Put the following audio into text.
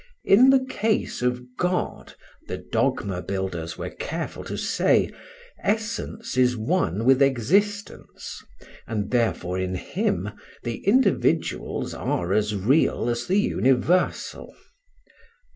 In the case of God, the dogma builders were careful to say, essence is one with existence, and therefore in Him the individuals are as real as the universal.